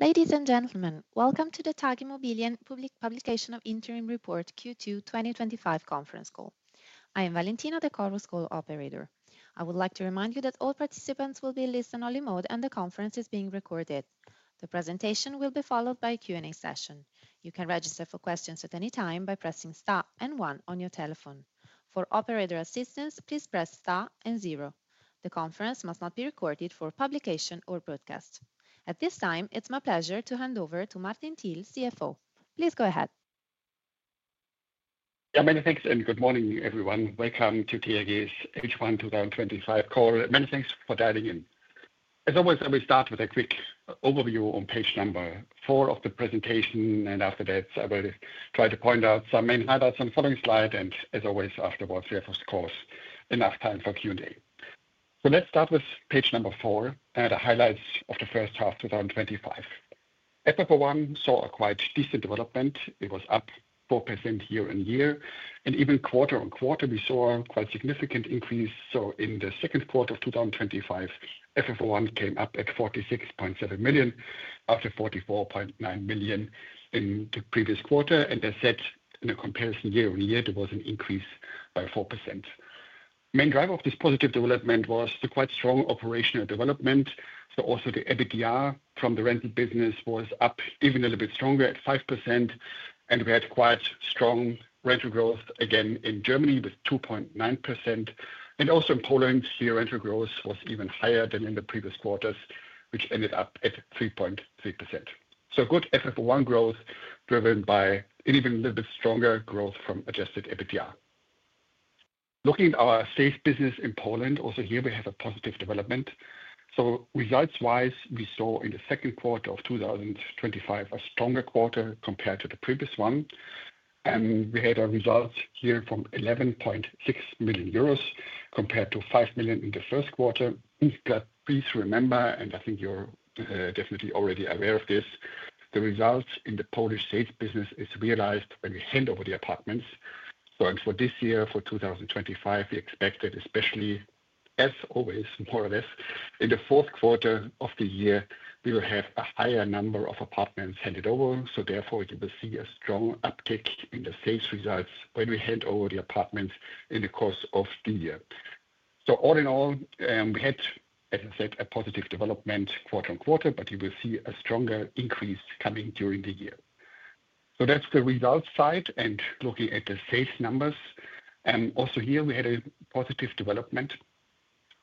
Ladies and gentlemen, welcome to the TAG Immobilien Public Publication of Interim Report Q2 2025 Conference Call. I am Valentina the Chorus Call operator. I would like to remind you that all participants will be in listen-only mode and the conference is being recorded. The presentation will be followed by a Q&A session. You can register for questions at any time by pressing star and on your telephone. For operator assistance, please press star and zero. The conference must not be recorded for publication or broadcast. At this time, it's my pleasure to hand over to Martin Thiel, CFO. Please go ahead. Yeah, many thanks, and good morning everyone. Welcome to TAG's H1 2025 Call. Many thanks for dialing in. As always, I will start with a quick overview on page number four of the presentation, and after that, I will try to point out some main highlights on the following slide. As always, afterwards, we have, of course, enough time for Q&A. Let's start with page number four and the highlights of the first half 2025. FFO I saw a quite decent development. It was up 4% year on year, and even quarter on quarter, we saw a quite significant increase. In the second quarter of 2025, FFO I came up at 46.7 million after 44.9 million in the previous quarter. As said, in a comparison year on year, there was an increase by 4%. The main driver of this positive development was the quite strong operational development. Also, the EBITDA from the rental business was up even a little bit stronger at 5%. We had quite strong rental growth again in Germany with 2.9%. Also in Poland, the rental growth was even higher than in the previous quarters, which ended up at 3.3%. Good FFO I growth was driven by an even little bit stronger growth from adjusted EBITDA. Looking at our sales business in Poland, also here we have a positive development. Results-wise, we saw in the second quarter of 2025 a stronger quarter compared to the previous one. We had a result here from 11.6 million euros compared to 5 million in the first quarter. Please remember, and I think you're definitely already aware of this, the results in the Polish sales business are realized when we hand over the apartments. For this year, for 2025, we expect that especially, as always, more or less, in the fourth quarter of the year, we will have a higher number of apartments handed over. Therefore, you will see a strong uptick in the sales results when we hand over the apartments in the course of the year. All in all, we had, as I said, a positive development quarter on quarter, but you will see a stronger increase coming during the year. That's the results side. Looking at the sales numbers, also here we had a positive development.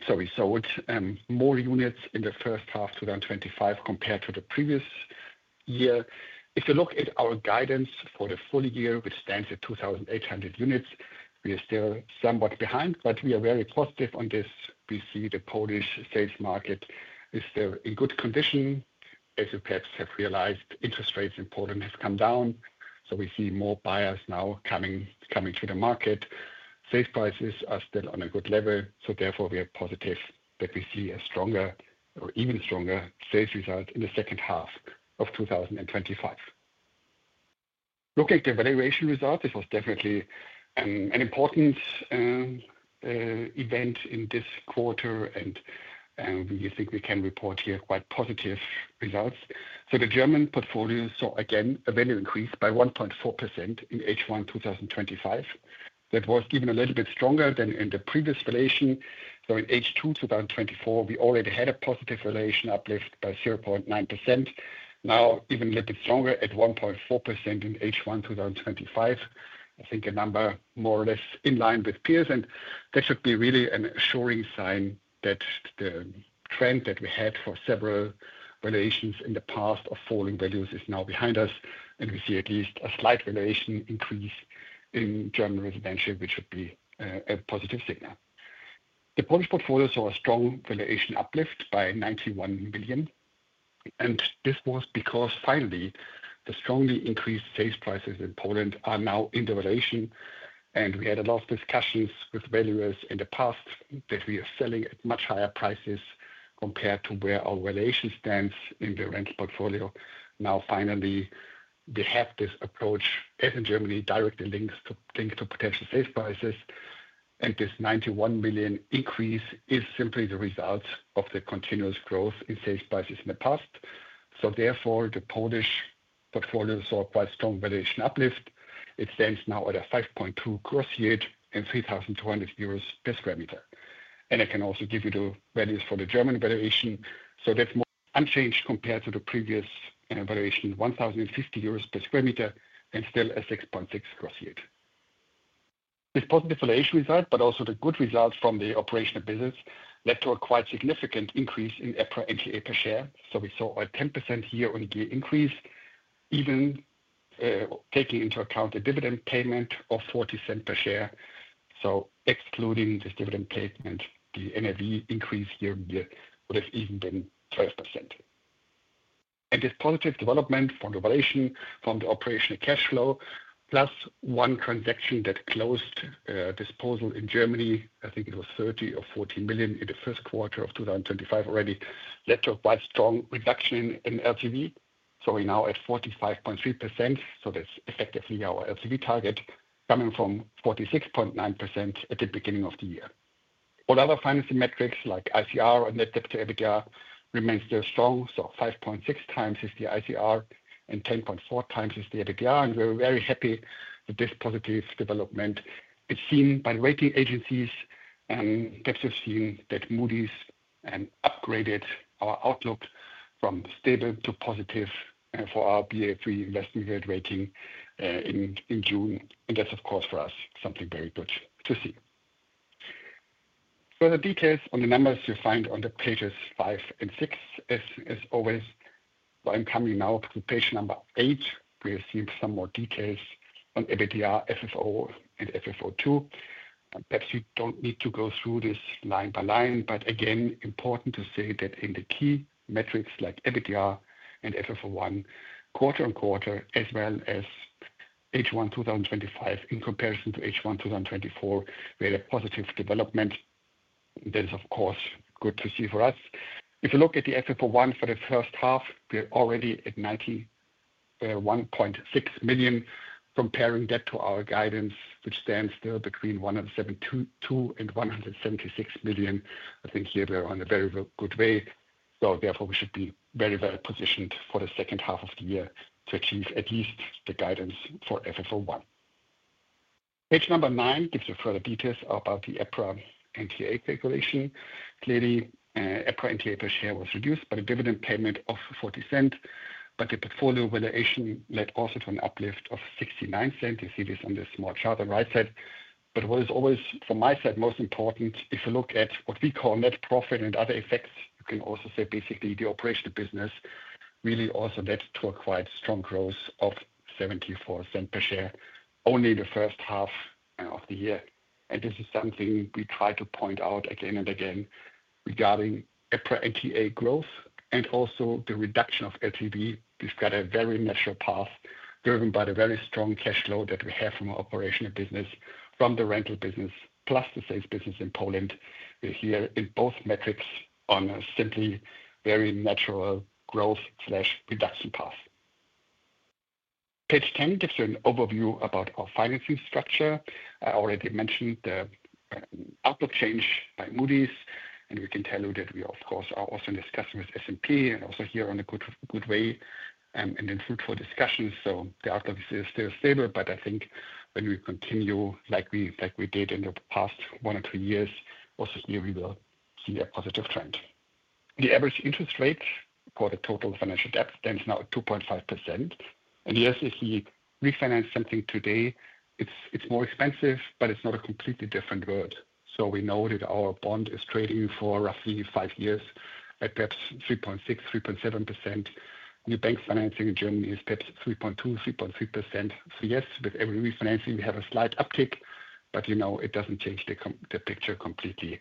We sold more units in the first half 2025 compared to the previous year. If you look at our guidance for the full year, which stands at 2,800 units, we are still somewhat behind, but we are very positive on this. We see the Polish sales market is still in good condition. As you perhaps have realized, interest rates in Poland have come down. We see more buyers now coming to the market. Sales prices are still on a good level. Therefore, we are positive that we see a stronger or even stronger sales result in the second half of 2025. Looking at the valuation results, it was definitely an important event in this quarter, and we think we can report here quite positive results. The German portfolio saw again a value increase by 1.4% in H1 2025. That was even a little bit stronger than in the previous valuation. In H2 2024, we already had a positive valuation uplift by 0.9%. Now, even a little bit stronger at 1.4% in H1 2025. I think a number more or less in line with peers. That should be really an assuring sign that the trend that we had for several valuations in the past of falling values is now behind us. We see at least a slight valuation increase in German residential, which would be a positive signal. The Polish portfolio saw a strong valuation uplift by 91 million. This was because finally, the strongly increased sales prices in Poland are now in the valuation. We had a lot of discussions with valuers in the past that we are selling at much higher prices compared to where our valuation stands in the rental portfolio. Now finally, they have this approach, as in Germany, directly linked to potential sales prices. This 91 million increase is simply the result of the continuous growth in sales prices in the past. Therefore, the Polish portfolio saw a quite strong valuation uplift. It stands now at a 5.2% gross yield and 3,200 euros per sq m. I can also give you the values for the German valuation. That's unchanged compared to the previous valuation, 1,050 euros per sq m and still a 6.6% gross yield. This positive valuation result, but also the good results from the operational business, led to a quite significant increase in EPRA NTA per share. We saw a 10% year-on-year increase, even taking into account the dividend payment of 0.40 per share. Excluding this dividend payment, the NAV increase year-on-year would have even been 5%. This positive development from the valuation, from the operational cash flow, plus one transaction that closed disposal in Germany, I think it was 30 million or 40 million in the first quarter of 2025 already, led to a quite strong reduction in LTV. We're now at 45.3%. That's effectively our LTV target coming from 46.9% at the beginning of the year. All other financing metrics like ICR and net debt-to-EBITDA remain still strong. 5.6x is the ICR and 10.4x is the EBITDA. We're very happy with this positive development. It's seen by the rating agencies, and that's just seen that Moody’s upgraded our outlook from stable to positive for our Ba3 Investment Grade rating in June. That's, of course, for us, something very good to see. Further details on the numbers you'll find on pages five and six. As always, I'm coming now to page number eight. You'll see some more details on EBITDA, FFO, and FFO II. Perhaps you don't need to go through this line by line, but again, important to say that in the key metrics like EBITDA and FFO I, quarter on quarter, as well as H1 2025 in comparison to H1 2024, we had a positive development. That is, of course, good to see for us. If you look at the FFO I for the first half, we're already at 91.6 million. Comparing that to our guidance, which stands still between 107.2 million and 176 million, I think here we are on a very good way. Therefore, we should be very well positioned for the second half of the year to achieve at least the guidance for FFO I. Page number nine gives you further details about the EPRA NTA calculation. Clearly, EPRA NTA per share was reduced by the dividend payment of 0.40, but the portfolio valuation led also to an uplift of 0.69. You see this on the small chart on the right side. What is always, from my side, most important, if you look at what we call net profit and other effects, you can also say basically the operational business really also led to a quite strong growth of 0.74 per share only in the first half of the year. This is something we try to point out again and again regarding EPRA NTA growth and also the reduction of LTV. We've got a very natural path driven by the very strong cash flow that we have from our operational business, from the rental business, plus the sales business in Poland. We're here in both metrics on a simply very natural growth/reduction path. Page 10 gives you an overview about our financing structure. I already mentioned the outlook change by Moody’s, and we can tell you that we, of course, are also in discussion with S&P and also here on a good way and in fruitful discussions. The outlook is still stable, but I think when we continue like we did in the past one or two years, also here we will see a positive trend. The average interest rate for the total financial debt stands now at 2.5%. Yes, if we refinance something today, it's more expensive, but it's not a completely different world. We know that our bond is trading for roughly five years at perhaps 3.6%-3.7%. New bank financing in Germany is perhaps 3.2%-3.3%. With every refinancing, we have a slight uptick, but you know it doesn't change the picture completely.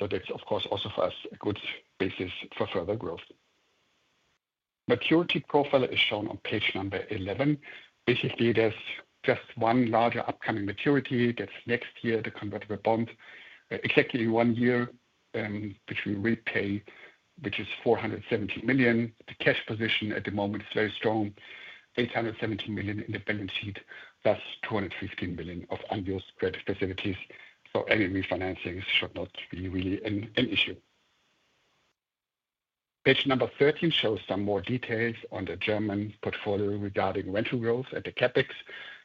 That is, of course, also for us a good basis for further growth. The maturity profile is shown on page number 11. Basically, there's just one larger upcoming maturity that's next year, the convertible bond, exactly in one year, which we repay, which is 470 million. The cash position at the moment is very strong, 870 million in the balance sheet, +215 million of unused credit facilities. Any refinancing should not be really an issue. Page number 13 shows some more details on the German portfolio regarding rental growth and the CapEx.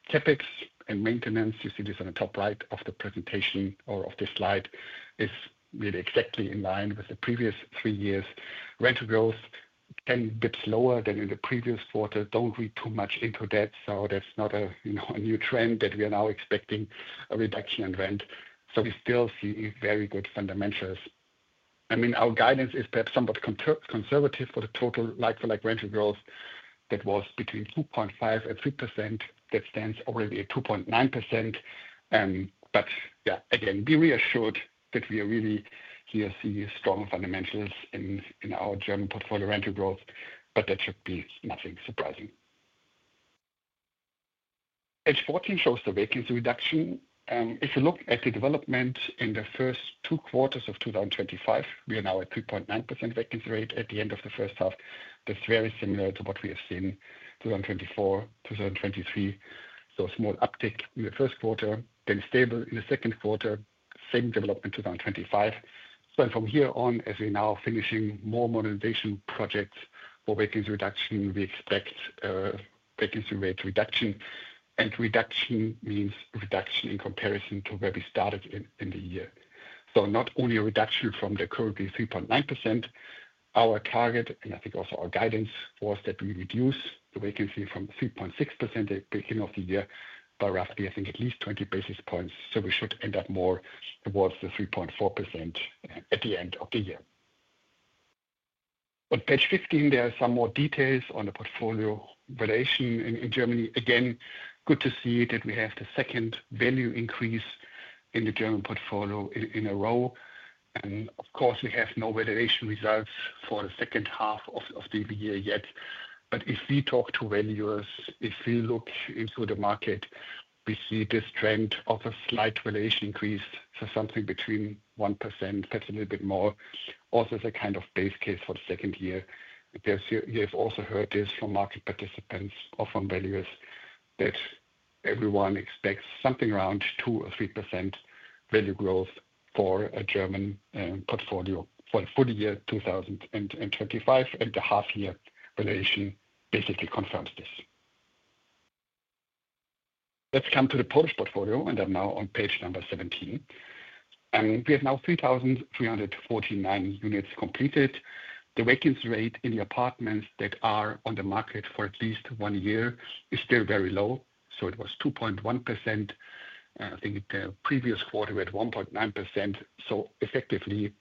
CapEx and maintenance, you see this on the top right of the presentation or of this slide, is really exactly in line with the previous three years. Rental growth, 10 bps lower than in the previous quarter. Don't read too much into that. That's not a new trend that we are now expecting a reduction in rent. We still see very good fundamentals. I mean, our guidance is perhaps somewhat conservative for the total like-for-like rental growth that was between 2.5% and 3%. That stands already at 2.9%. Again, we're reassured that we are really here seeing strong fundamentals in our German portfolio rental growth, but that should be nothing surprising. Page 14 shows the vacancy reduction. If you look at the development in the first two quarters of 2025, we are now at 3.9% vacancy rate at the end of the first half. That's very similar to what we have seen in 2024, 2023. A small uptick in the first quarter, then stable in the second quarter, same development in 2025. From here on, as we're now finishing more modernization projects for vacancy reduction, we expect a vacancy rate reduction. Reduction means reduction in comparison to where we started in the year, not only a reduction from the currently 3.9%. Our target, and I think also our guidance, was that we reduce the vacancy from 3.6% at the beginning of the year by roughly, I think, at least 20 basis points. We should end up more towards the 3.4% at the end of the year. On page 15, there are some more details on the portfolio valuation in Germany. Again, good to see that we have the second value increase in the German portfolio in a row. Of course, we have no valuation results for the second half of the year yet. If we talk to valuers, if we look into the market, we see this trend of a slight valuation increase for something between 1%. That's a little bit more. Also, it's a kind of base case for the second year. You've also heard this from market participants, often valuers, that everyone expects something around 2% or 3% value growth for a German portfolio for the full year 2025, and the half-year valuation basically confirms this. Let's come to the Polish portfolio, and I'm now on page number 17. We have now 3,349 units completed. The vacancy rate in the apartments that are on the market for at least one year is still very low. It was 2.1%. I think the previous quarter we had 1.9%. Effectively,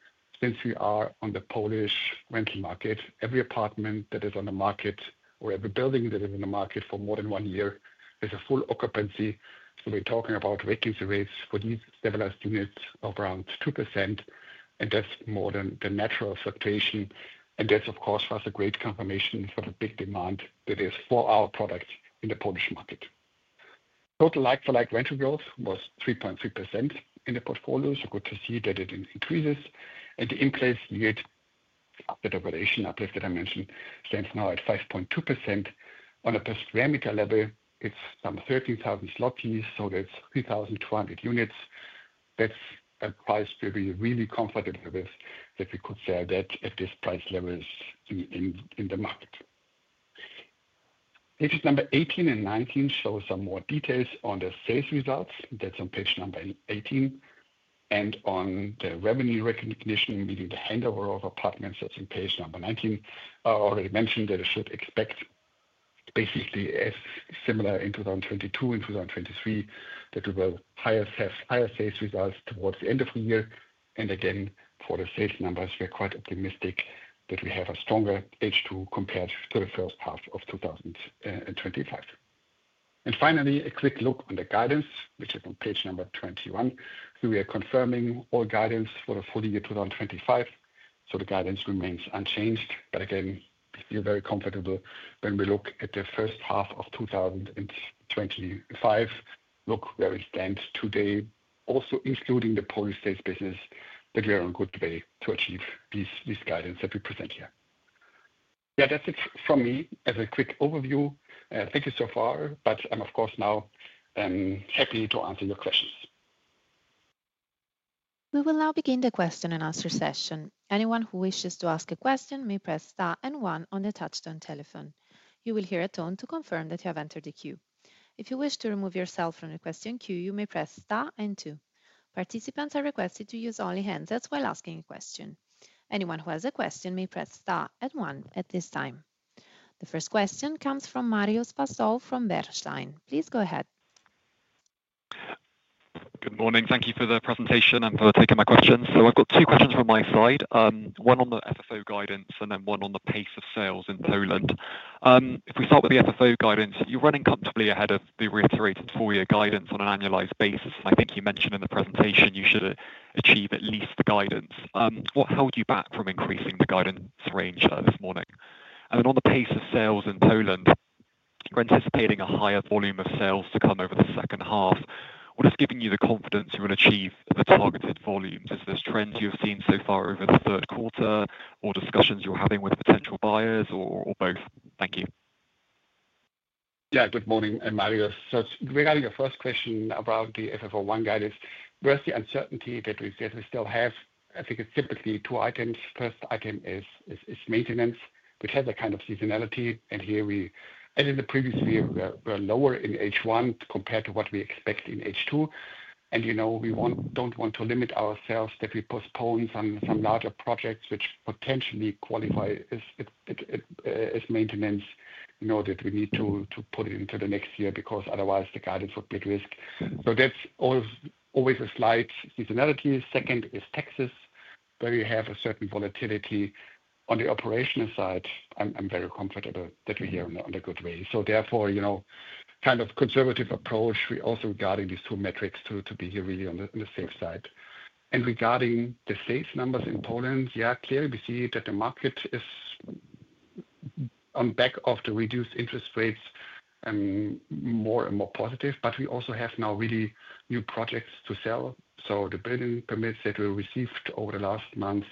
since we are on the Polish rental market, every apartment that is on the market or every building that is on the market for more than one year is a full occupancy. We're talking about vacancy rates for these 7,000 units of around 2%. That's more than the natural fluctuation. That's, of course, for us a great confirmation for the big demand that is for our products in the Polish market. Total like-for-like rental growth was 3.3% in the portfolio. Good to see that it increases. The in-place yield, updated valuation, I believe that I mentioned, stands now at 5.2%. On a per sq m level, it's some 13,000 zlotys. That's 3,200 units. That's a price to be really comfortable with, that we could sell that at this price level in the market. Pages number 18 and 19 show some more details on the sales results. That's on page number 18. On the revenue recognition, meaning the handover of apartments, as in page number 19, I already mentioned that we should expect basically as similar in 2022 and 2023 that we will have higher sales results towards the end of the year. For the sales numbers, we are quite optimistic that we have a stronger H2 compared to the first half of 2025. Finally, a quick look on the guidance, which is on page number 21. We are confirming all guidance for the full year 2025. The guidance remains unchanged. We are very comfortable when we look at the first half of 2025. Look where we stand today, also including the Polish sales business, that we are on a good way to achieve this guidance that we present here. That's it from me as a quick overview. Thank you so far, but I'm, of course, now happy to answer your questions. We will now begin the question and answer session. Anyone who wishes to ask a question may press star one on the touchstone telephone. You will hear a tone to confirm that you have entered the queue. If you wish to remove yourself from the question queue, you may press star two. Participants are requested to use only handsets while asking a question. Anyone who has a question may press star one at this time. The first question comes from Marios Pastou from Bernstein. Please go ahead. Good morning. Thank you for the presentation and for taking my question. I've got two questions from my side, one on the FFO guidance and then one on the pace of sales in Poland. If we start with the FFO guidance, you're running comfortably ahead of the reiterated full-year guidance on an annualized basis. I think you mentioned in the presentation you should achieve at least guidance. What held you back from increasing the guidance range this morning? On the pace of sales in Poland, we're anticipating a higher volume of sales to come over the second half. What is giving you the confidence you're going to achieve the targeted volume? Is this a trend you've seen so far over the third quarter or discussions you're having with potential buyers or both? Thank you. Yeah, good morning, Marios. Regarding your first question about the FFO I guidance, where's the uncertainty that we still have? I think it's typically two items. First item is maintenance, which has a kind of seasonality. Here we, as in the previous year, were lower in H1 compared to what we expect in H2. You know we don't want to limit ourselves that we postpone some larger projects which potentially qualify as maintenance, that we need to put into the next year because otherwise the guidance would be at risk. That's always a slight seasonality. Second is taxes, where we have a certain volatility. On the operational side, I'm very comfortable that we're here on a good way. Therefore, kind of conservative approach. We're also regarding these two metrics to be here really on the safe side. Regarding the sales numbers in Poland, clearly we see that the market is on the back of the reduced interest rates and more and more positive, but we also have now really new projects to sell. The building permits that we received over the last month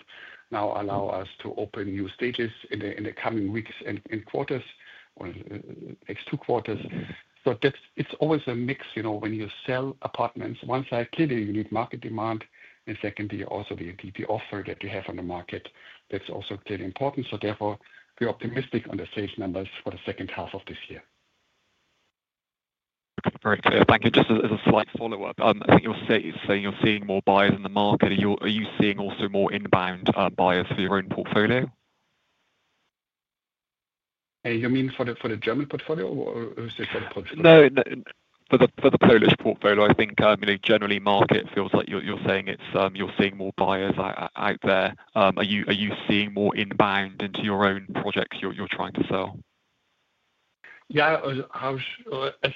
now allow us to open new stages in the coming weeks and quarters, or next two quarters. It's always a mix when you sell apartments. One side, clearly you need market demand, and secondly, also the offer that you have on the market, that's also clearly important. Therefore, we're optimistic on the sales numbers for the second half of this year. Great. Thank you. Just as a slight follow-up, you're saying you're seeing more buyers in the market. Are you seeing also more inbound buyers for your own portfolio? You mean for the German portfolio, or is this for the Polish? For the Polish portfolio, I think the market feels like you're saying you're seeing more buyers out there. Are you seeing more inbound into your own projects you're trying to sell? Yeah, I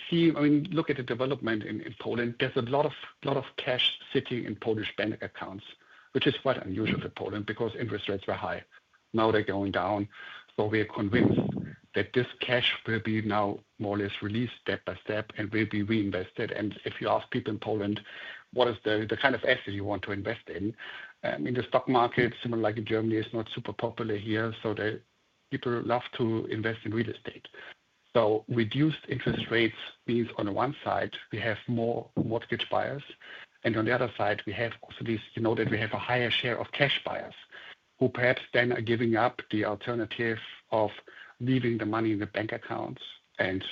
see, I mean, look at the development in Poland. There's a lot of cash sitting in Polish bank accounts, which is quite unusual for Poland because interest rates were high. Now they're going down. We're convinced that this cash will be now more or less released step by step and will be reinvested. If you ask people in Poland, what is the kind of asset you want to invest in? I mean, the stock market, similar like in Germany, is not super popular here. People love to invest in real estate. Reduced interest rates means on the one side, we have more mortgage buyers, and on the other side, we have also these, you know, that we have a higher share of cash buyers who perhaps then are giving up the alternative of leaving the money in the bank accounts and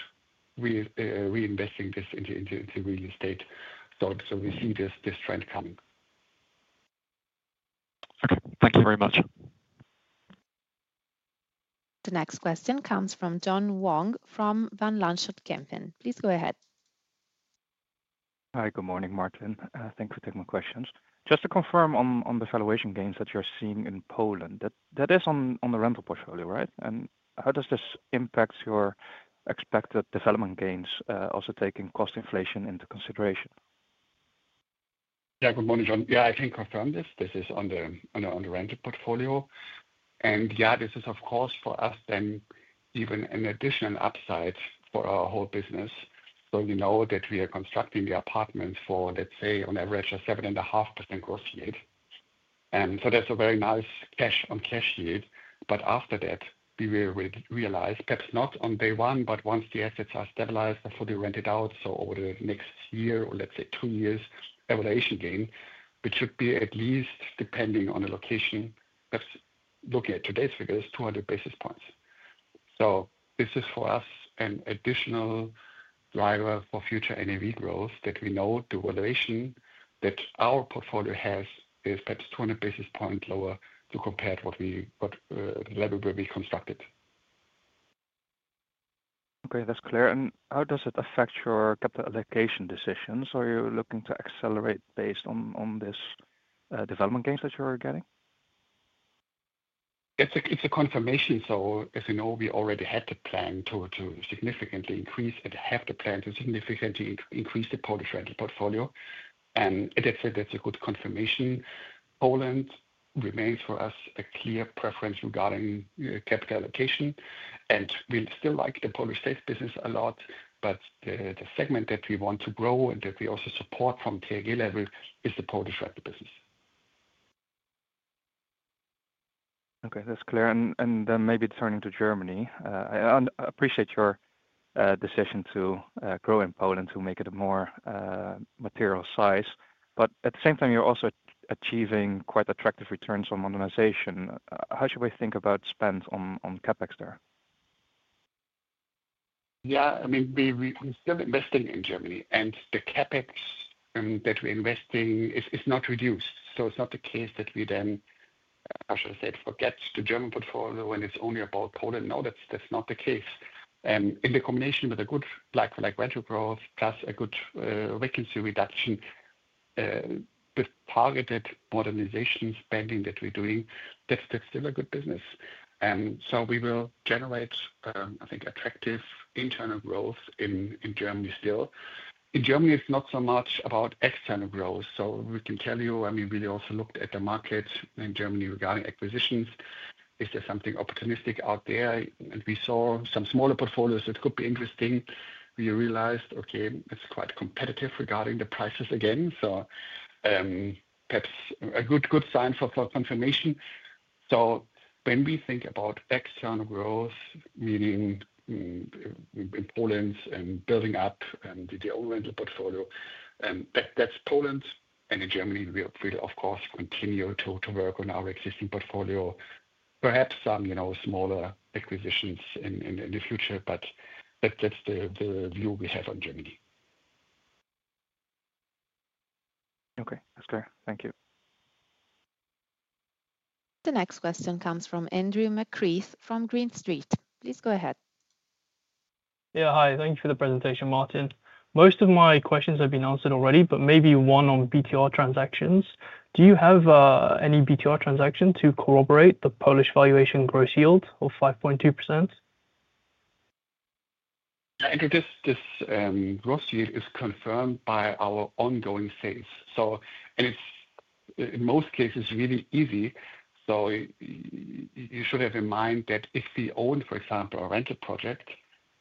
reinvesting this into real estate. We see this trend coming. Thank you very much. The next question comes from John Vuong from Van Lanschot Kempen. Please go ahead. Hi, good morning, Martin. Thanks for taking my questions. Just to confirm on the valuation gains that you're seeing in Poland, that is on the rental portfolio, right? How does this impact your expected development gains, also taking cost inflation into consideration? Yeah, good morning, John. I think I confirm this. This is on the rental portfolio. This is, of course, for us, then even an additional upside for our whole business. We know that we are constructing the apartments for, let's say, on average, a 7.5% gross yield. That's a very nice cash on cash yield. After that, we will realize, perhaps not on day one, but once the assets are stabilized, are fully rented out, over the next year or, let's say, two years, a valuation gain, which should be at least, depending on the location, perhaps looking at today's figures, 200 basis points. This is for us an additional driver for future NAV growth that we know the valuation that our portfolio has is perhaps 200 basis points lower compared to what we got at the level where we constructed. Okay, that's clear. How does it affect your capital allocation decisions? Are you looking to accelerate based on these development gains that you're getting? It's a confirmation. As you know, we already had the plan to significantly increase and have the plan to significantly increase the Polish rental portfolio. That's a good confirmation. Poland remains for us a clear preference regarding capital allocation. We still like the Polish sales business a lot, but the segment that we want to grow and that we also support from TAG is the Polish rental business. Okay, that's clear. Maybe turning to Germany, I appreciate your decision to grow in Poland to make it a more material size. At the same time, you're also achieving quite attractive returns on modernization. How should we think about spending on CapEx there? Yeah, I mean, we're still investing in Germany, and the CapEx that we're investing is not reduced. It's not the case that we then, as I said, forget the German portfolio when it's only about Poland. No, that's not the case. In combination with a good like-for-like rental growth plus a good vacancy reduction, the targeted modernization spending that we're doing, that's still a good business. We will generate, I think, attractive internal growth in Germany still. In Germany, it's not so much about external growth. We can tell you, I mean, we also looked at the market in Germany regarding acquisitions. Is there something opportunistic out there? We saw some smaller portfolios that could be interesting. We realized, okay, it's quite competitive regarding the prices again, perhaps a good sign for confirmation. When we think about external growth, meaning in Poland and building up the old rental portfolio, that's Poland. In Germany, we will, of course, continue to work on our existing portfolio, perhaps some, you know, smaller acquisitions in the future. That's the view we have on Germany. Okay, that's clear. Thank you. The next question comes from Andrew McCreath from Green Street. Please go ahead. Yeah, hi. Thank you for the presentation, Martin. Most of my questions have been answered already, but maybe one on BTR transactions. Do you have any BTR transactions to corroborate the Polish valuation gross yield of 5.2%? I think this gross yield is confirmed by our ongoing sales, and it's in most cases really easy. You should have in mind that if we own, for example, a rental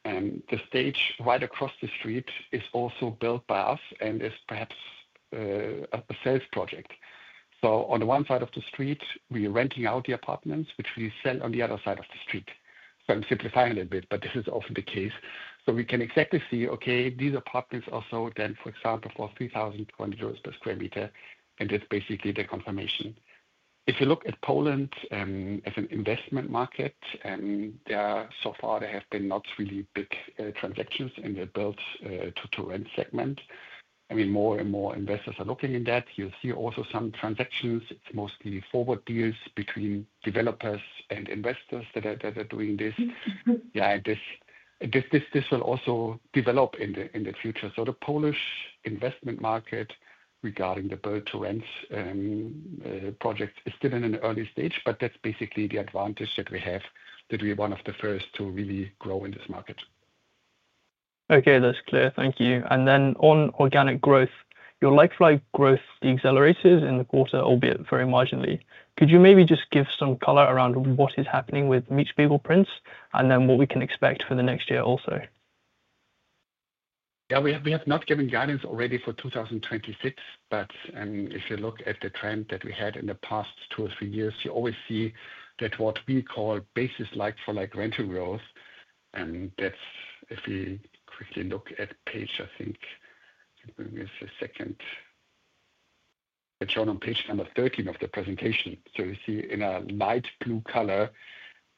project, and the stage right across the street is also built by us and is perhaps a sales project. On one side of the street, we are renting out the apartments, which we sell on the other side of the street. I'm simplifying a little bit, but this is often the case. We can exactly see, okay, these apartments also then, for example, cost 3,000 euros per sq m, and that's basically the confirmation. If you look at Poland as an investment market, so far there have been not really big transactions in the built-to-rent segment. I mean, more and more investors are looking in that. You'll see also some transactions. It's mostly forward deals between developers and investors that are doing this. This will also develop in the future. The Polish investment market regarding the built-to-rent projects is still in an early stage, but that's basically the advantage that we have, that we are one of the first to really grow in this market. Okay, that's clear. Thank you. On organic growth, your like-for-like growth decelerated in the quarter, albeit very marginally. Could you maybe just give some color around what is happening with like-for-like value increase and then what we can expect for the next year also? Yeah, we have not given guidance already for 2026, but if you look at the trend that we had in the past two or three years, you always see that what we call basis like-for-like rental growth. That's, if we quickly look at page, I think, give me a second. It's shown on page number 13 of the presentation. You see in a light blue color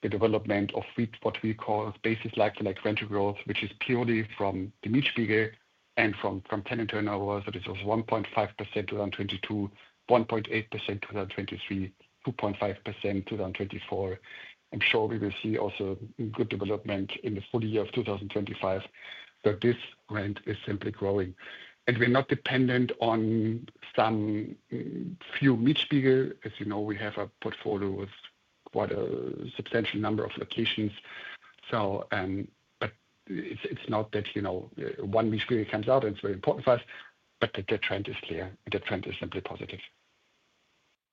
the development of what we call basis like-for-like rental growth, which is purely from the mietspiegel and from tenant turnover. This was 1.5% in 2022, 1.8% in 2023, 2.5% in 2024. We will see also good development in the full year of 2025. This rent is simply growing. We're not dependent on some few mietspiegel. As you know, we have a portfolio with quite a substantial number of locations. It's not that one mietspiegel comes out and it's very important for us, but the trend is clear. The trend is simply positive.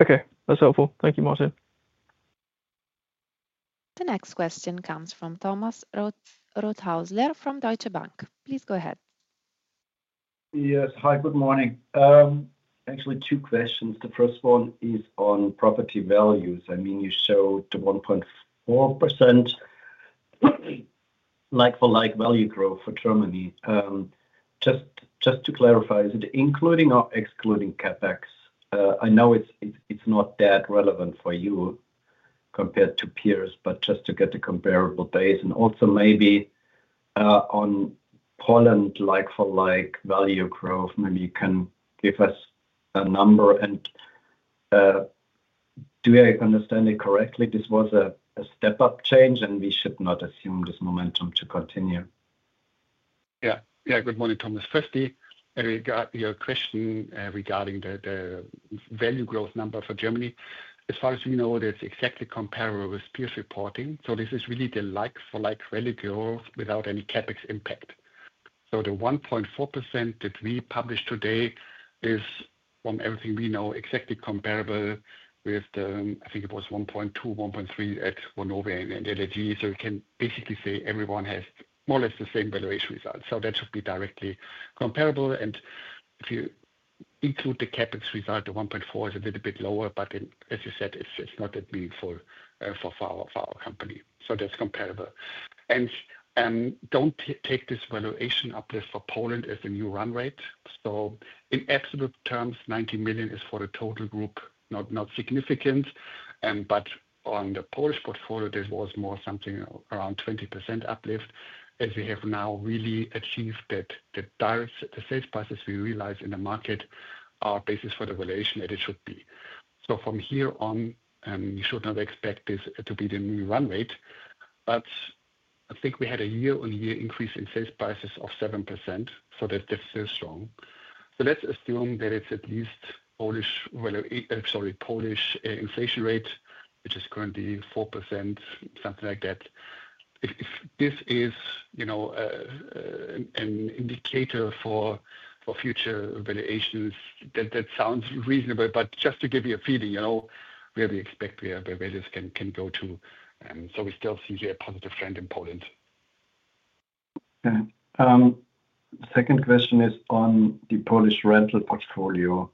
Okay, that's helpful. Thank you, Martin. The next question comes from Thomas Rothaeusler from Deutsche Bank. Please go ahead. Yes, hi, good morning. Actually, two questions. The first one is on property values. I mean, you showed the 1.4% like-for-like value growth for Germany. Just to clarify, is it including or excluding CapEx? I know it's not that relevant for you compared to peers, just to get the comparable dates. Also, maybe on Poland's like-for-like value growth, maybe you can give us a number. Do I understand it correctly? This was a step-up change, and we should not assume this momentum to continue. Yeah, good morning, Thomas. Firstly, we've got your question regarding the value growth number for Germany. As far as we know, that's exactly comparable with peer reporting. This is really the like-for-like value growth without any CapEx impact. The 1.4% that we published today is, from everything we know, exactly comparable with the, I think it was 1.2%, 1.3% at Vonovia and LEG. You can basically say everyone has more or less the same valuation results. That should be directly comparable. If you include the CapEx result, the 1.4% is a little bit lower, but as you said, it's not that meaningful for our company. That's comparable. Don't take this valuation uplift for Poland as a new run rate. In absolute terms, 19 million is for the total group, not significant. On the Polish portfolio, there was more something around 20% uplift, as we have now really achieved that the sales prices we realize in the market are basis for the valuation that it should be. From here on, you should not expect this to be the new run rate. I think we had a year-on-year increase in sales prices of 7%. That's still strong. Let's assume that it's at least Polish inflation rate, which is currently 4%, something like that. If this is, you know, an indicator for future valuations, then that sounds reasonable. Just to give you a feeling, you know, where we expect where values can go to. We still see here a positive trend in Poland. Okay. The second question is on the Polish rental portfolio.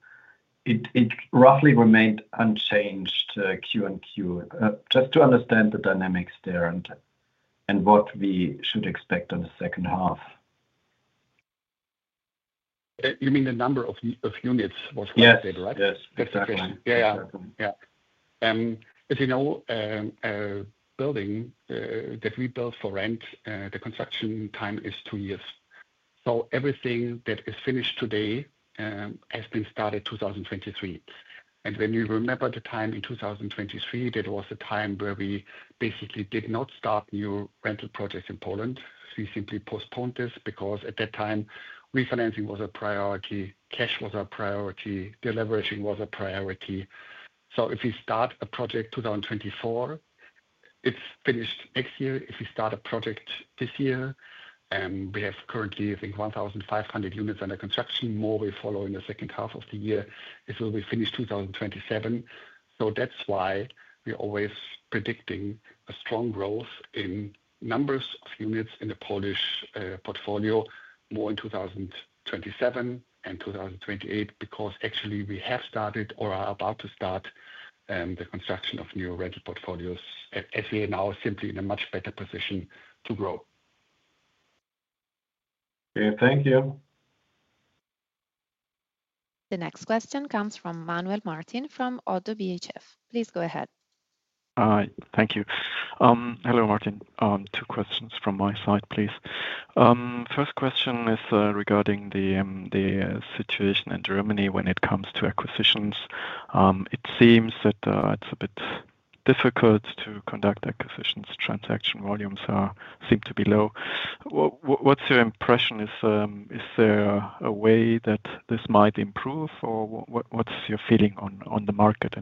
It roughly remained unchanged QoQ. Just to understand the dynamics there and what we should expect in the second half. You mean the number of units was calculated, right? Yes, that's the second one. As you know, a building that we build for rent, the construction time is two years. Everything that is finished today has been started in 2023. When you remember the time in 2023, that was the time where we basically did not start new rental projects in Poland. We simply postponed this because at that time, refinancing was a priority, cash was a priority, deleveraging was a priority. If we start a project in 2024, it's finished next year. If we start a project this year, we have currently, I think, 1,500 units under construction. More will follow in the second half of the year. This will be finished in 2027. That's why we're always predicting a strong growth in numbers of units in the Polish portfolio, more in 2027 and 2028, because actually we have started or are about to start the construction of new rental portfolios. As we are now simply in a much better position to grow. Okay, thank you. The next question comes from Manuel Martin from ODDO BHF. Please go ahead. Hi, thank you. Hello, Martin. Two questions from my side, please. First question is regarding the situation in Germany when it comes to acquisitions. It seems that it's a bit difficult to conduct acquisitions. Transaction volumes seem to be low. What's your impression? Is there a way that this might improve? What's your feeling on the market?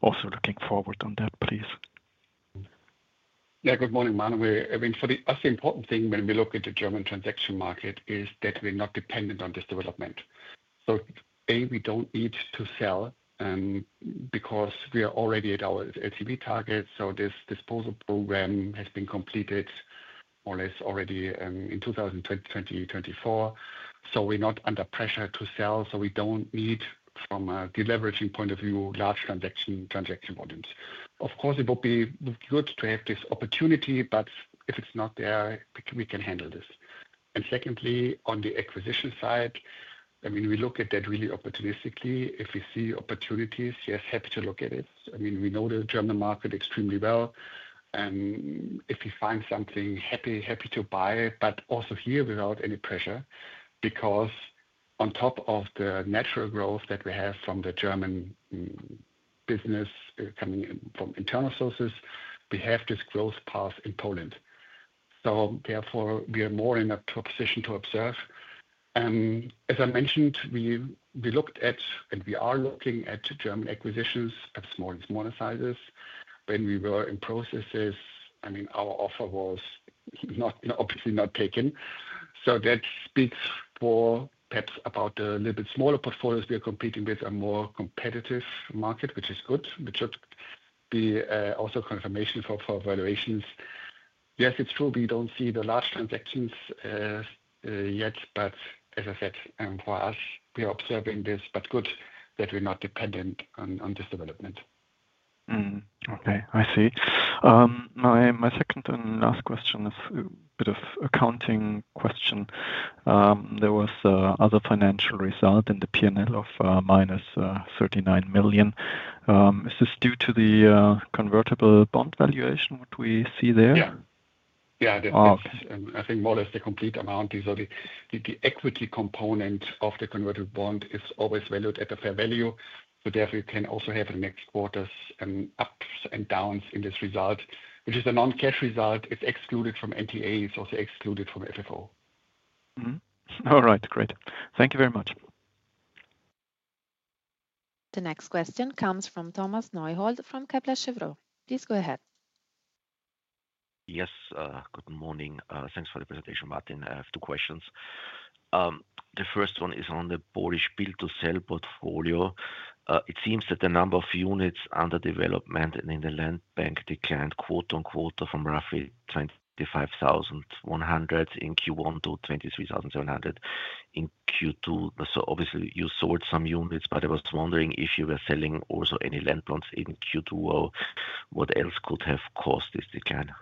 Also, looking forward on that, please. Yeah, good morning, Manuel. For us, the important thing when we look at the German transaction market is that we're not dependent on this development. A, we don't need to sell because we are already at our SEV target. This disposal program has been completed more or less already in 2024. We're not under pressure to sell. We don't need, from a deleveraging point of view, large transaction volumes. Of course, it would be good to have this opportunity, but if it's not there, we can handle this. Secondly, on the acquisition side, we look at that really opportunistically. If we see opportunities, yes, happy to look at it. We know the German market extremely well. If we find something, happy to buy, but also here without any pressure, because on top of the natural growth that we have from the German business coming in from internal sources, we have this growth path in Poland. Therefore, we are more in a position to observe. As I mentioned, we looked at, and we are looking at, German acquisitions at smaller and smaller sizes. When we were in processes, our offer was not obviously not taken. That speaks for perhaps about the little bit smaller portfolios. We are competing with a more competitive market, which is good. We took the also confirmation for valuations. Yes, it's true. We don't see the large transactions yet, but as I said, for us, we are observing this, but good that we're not dependent on this development. Okay, I see. My second and last question is a bit of an accounting question. There was another financial result in the P&L of -39 million. Is this due to the convertible bond valuation? What do we see there? Yeah, I think more or less the complete amount. The equity component of the convertible bond is always valued at a fair value. Therefore, you can also have the next quarter's ups and downs in this result, which is a non-cash result. It's excluded from EPRA NTA. It's also excluded from FFO. All right, great. Thank you very much. The next question comes from Thomas Neuhold from Kepler Cheuvreux. Please go ahead. Yes, good morning. Thanks for the presentation, Martin. I have two questions. The first one is on the Polish build-to-sell portfolio. It seems that the number of units under development and in the land bank declined, quote unquote, from roughly 25,100 in Q1 to 23,700 in Q2. Obviously, you sold some units, but I was wondering if you were selling also any land plans in Q2 or what else could have caused this decline?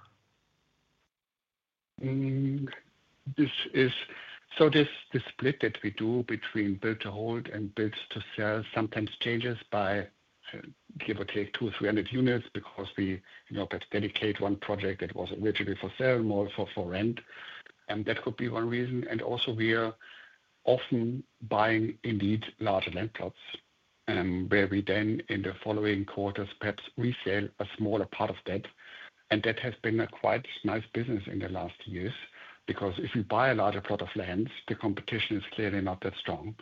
This split that we do between build to hold and build to sell sometimes changes by, give or take, 200, 300 units because we dedicate one project that was originally for sale more for rent. That could be one reason. We are often buying indeed larger land plots, where we then in the following quarters perhaps resell a smaller part of that. That has been a quite nice business in the last years because if we buy a larger plot of land, the competition is clearly not that strong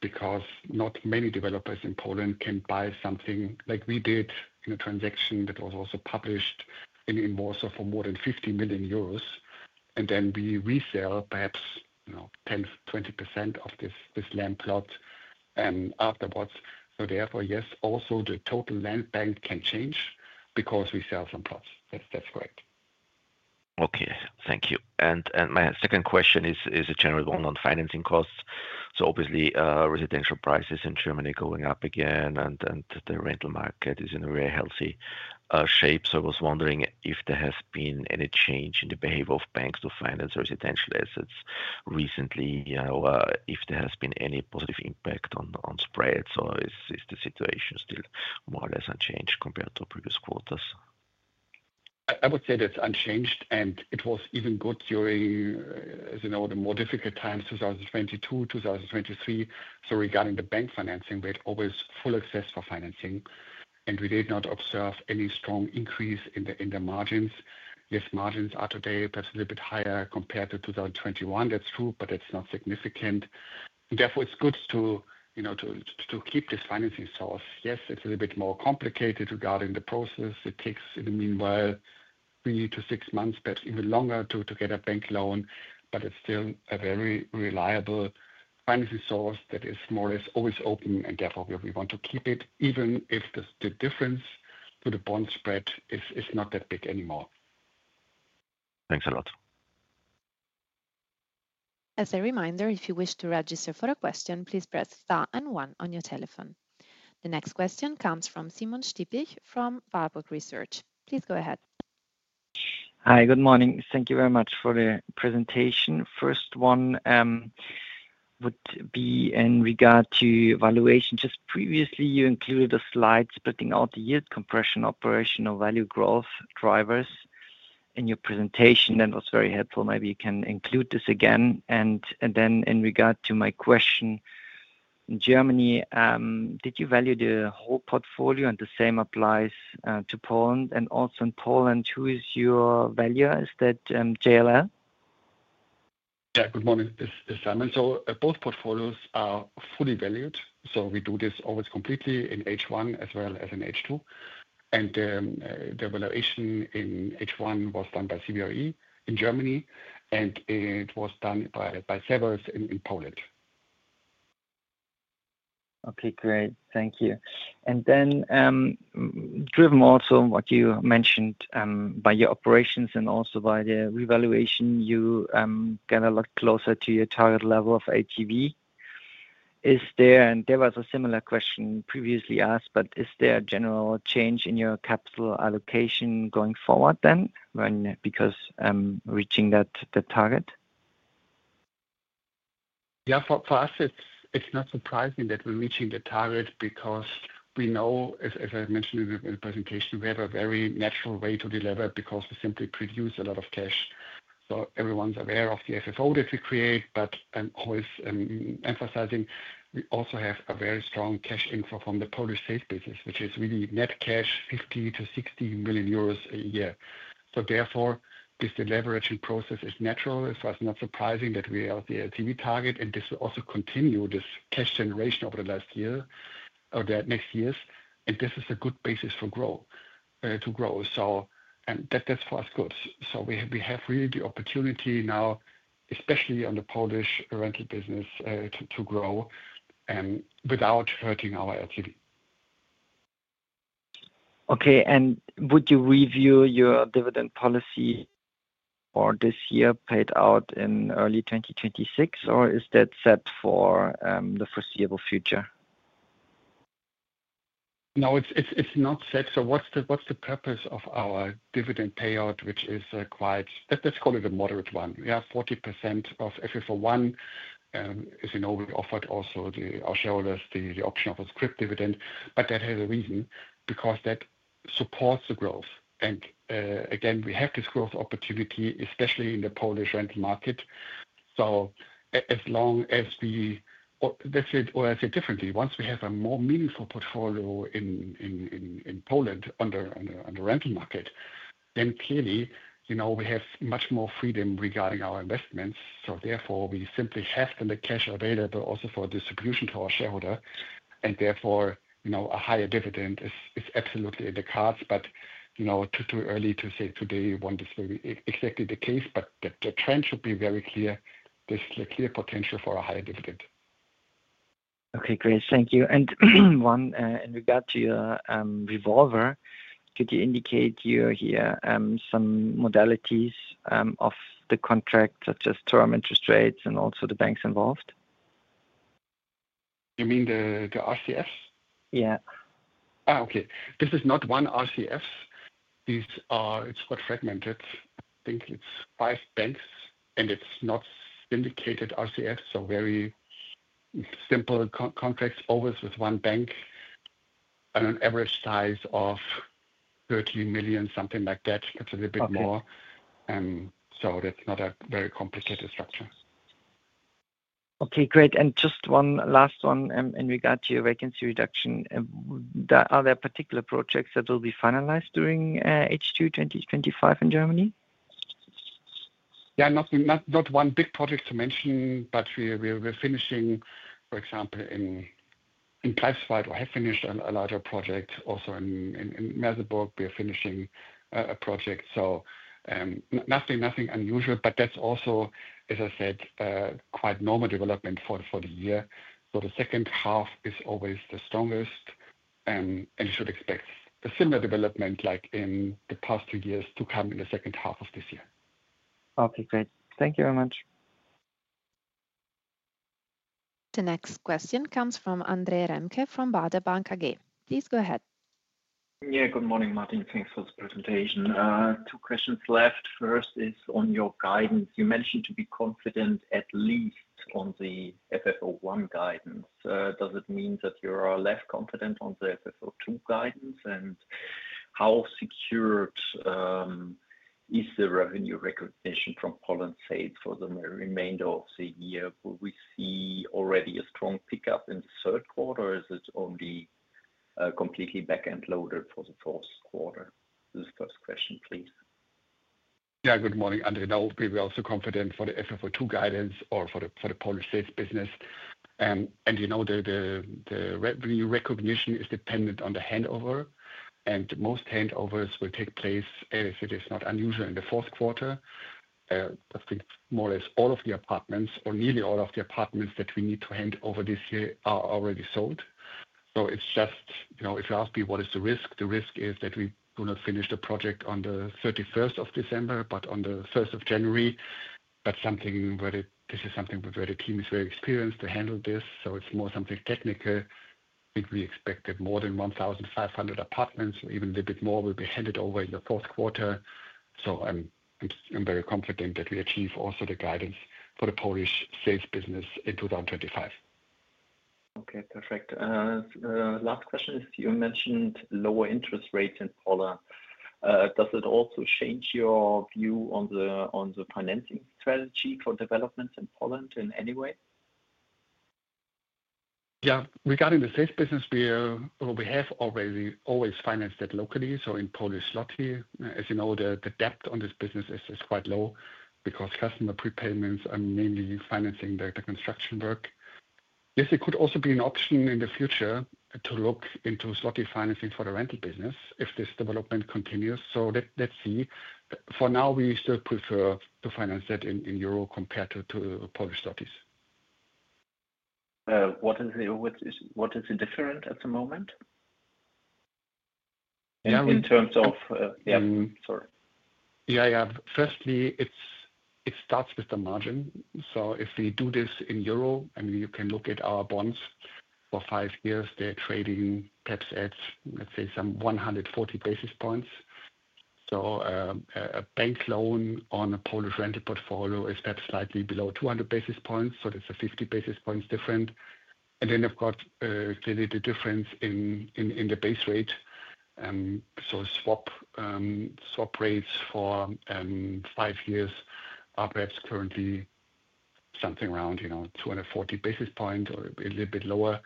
because not many developers in Poland can buy something like we did in a transaction that was also published in Warsaw for more than 50 million euros. We resell perhaps 10%, 20% of this land plot afterwards. Therefore, yes, also the total land bank can change because we sell some plots. That's great. Thank you. My second question is a general one on financing costs. Obviously, residential prices in Germany are going up again, and the rental market is in a very healthy shape. I was wondering if there has been any change in the behavior of banks to finance residential assets recently, if there has been any positive impact on spreads. Is the situation still more or less unchanged compared to previous quarters? I would say that's unchanged, and it was even good during, as you know, the more difficult times, 2022-2023. Regarding the bank financing, we had always full access for financing, and we did not observe any strong increase in the margins. Yes, margins are today perhaps a little bit higher compared to 2021. That's true, but that's not significant. Therefore, it's good to keep this financing source. Yes, it's a little bit more complicated regarding the process. It takes, in the meanwhile, three to six months, perhaps even longer to get a bank loan, but it's still a very reliable financing source that is more or less always open. Therefore, we want to keep it, even if the difference to the bond spread is not that big anymore. Thanks a lot. As a reminder, if you wish to register for a question, please press star and one on your telephone. The next question comes from Simon Stippig from Warburg Research. Please go ahead. Hi, good morning. Thank you very much for the presentation. First one would be in regard to valuation. Previously, you included a slide splitting out the yield compression operational value growth drivers in your presentation. That was very helpful. Maybe you can include this again. In regard to my question, in Germany, did you value the whole portfolio and the same applies to Poland? Also, in Poland, who is your valuer? Is that JLL? Good morning, Simon. Both portfolios are fully valued. We do this always completely in H1 as well as in H2. The valuation in H1 was done by CBRE in Germany, and it was done by Savills in Poland. Okay, great. Thank you. Then driven also by what you mentioned by your operations and also by the revaluation, you get a lot closer to your target level of LTV. Is there, and there was a similar question previously asked, but is there a general change in your capital allocation going forward then when because reaching that target? Yeah, for us, it's not surprising that we're reaching the target because we know, as I mentioned in the presentation, we have a very natural way to deliver because we simply produce a lot of cash. Everyone's aware of the FFO that we create, but I'm always emphasizing we also have a very strong cash inflow from the Polish sales business, which is really net cash 50 million-60 million euros a year. Therefore, this deleveraging process is natural. It's not surprising that we are at the LTV target, and this will also continue this cash generation over the last year or the next years. This is a good basis for growth to grow. That's for us good. We have really the opportunity now, especially on the Polish rental business, to grow without hurting our activity. Okay, would you review your dividend policy for this year paid out in early 2026, or is that set for the foreseeable future? No, it's not set. What's the purpose of our dividend payout, which is quite, let's call it a moderate one? We have 40% of FFO I. As you know, we offered also our shareholders the option of a scrip dividend, but that has a reason because that supports the growth. Again, we have this growth opportunity, especially in the Polish rental market. As long as we, or let's say, once we have a more meaningful portfolio in Poland on the rental market, then clearly, you know, we have much more freedom regarding our investments. Therefore, we simply have the cash available also for distribution to our shareholder. Therefore, you know, a higher dividend is absolutely in the cards. Too early to say today when this will be exactly the case, but the trend should be very clear. There's a clear potential for a higher dividend. Okay, great. Thank you. One in regard to your revolver, could you indicate here some modalities of the contract, such as term, interest rates, and also the banks involved? You mean the RCFs? Yeah. This is not one RCF. It's quite fragmented. I think it's five banks, and it's not syndicated RCF. Very simple contracts, always with one bank, and an average size of 30 million, something like that. It's a little bit more. That's not a very complicated structure. Okay, great. Just one last one in regard to your vacancy reduction. Are there particular projects that will be finalized during H2 2025 in Germany? Yeah, not one big project to mention, but we're finishing, for example, in Pleißwald or Häfenisch, a larger project. Also, in Merseburg, we are finishing a project. Nothing unusual, that's also, as I said, quite normal development for the year. The second half is always the strongest, and you should expect a similar development like in the past two years to come in the second half of this year. Okay, great. Thank you very much. The next question comes from Andre Remke from Baader Bank AG. Please go ahead. Yeah, good morning, Martin. Thanks for the presentation. Two questions left. First is on your guidance. You mentioned to be confident at least on the FFO I guidance. Does it mean that you are less confident on the FFO II guidance? How secured is the revenue recognition from Poland sales for the remainder of the year? Will we see already a strong pickup in the third quarter, or is it only completely back-end loaded for the fourth quarter? This is the first question, please. Yeah, good morning, Andre. No, we'll be also confident for the FFO II guidance or for the Polish sales business. You know, the revenue recognition is dependent on the handover. Most handovers will take place, as it is not unusual, in the fourth quarter. I think more or less all of the apartments, or nearly all of the apartments that we need to hand over this year are already sold. If you ask me what is the risk, the risk is that we do not finish the project on 31st of December, but on the 1st of January. This is something where the team is very experienced to handle this. It's more something technical. I think we expect that more than 1,500 apartments, or even a little bit more, will be handed over in the fourth quarter. I'm very confident that we achieve also the guidance for the Polish sales business in 2025. Okay, perfect. Last question is, you mentioned lower interest rates in Poland. Does it also change your view on the financing strategy for developments in Poland in any way? Yeah, regarding the sales business, we have already always financed that locally. In Polish złoty, as you know, the debt on this business is quite low because customer prepayments are mainly financing the construction work. Yes, it could also be an option in the future to look into złoty financing for the rental business if this development continues. Let's see. For now, we still prefer to finance that in euro compared to Polish złoty. What is the difference at the moment in terms of, sorry. Firstly, it starts with the margin. If we do this in euro, you can look at our bonds for five years. They're trading perhaps at, let's say, some 140 basis points. A bank loan on a Polish rental portfolio is perhaps slightly below 200 basis points. That's a 50 basis points difference. I've got clearly the difference in the base rate. Swap rates for five years are perhaps currently something around 240 basis points or a little bit lower.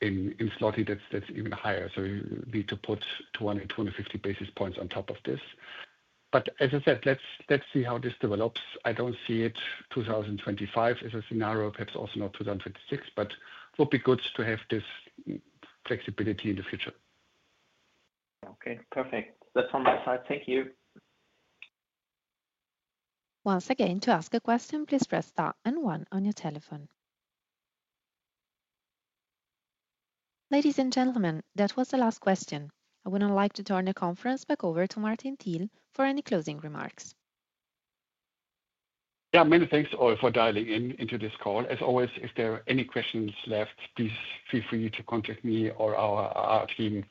In złoty, that's even higher. You need to put 200 basis point-250 basis points on top of this. As I said, let's see how this develops. I don't see it 2025 as a scenario, perhaps also not 2026, but it would be good to have this flexibility in the future. Okay, perfect. That's from my side. Thank you. Once again, to ask a question, please press star and one on your telephone. Ladies and gentlemen, that was the last question. I would now like to turn the conference back over to Martin Thiel for any closing remarks. Yeah, many thanks for dialing in into this call. As always, if there are any questions left, please feel free to contact me or our team.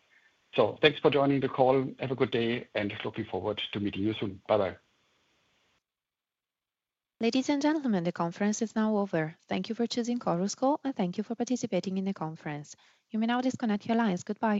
Thanks for joining the call. Have a good day and looking forward to meeting you soon. Bye-bye. Ladies and gentlemen, the conference is now over. Thank you for choosing Chorus Call, and thank you for participating in the conference. You may now disconnect your lines. Goodbye.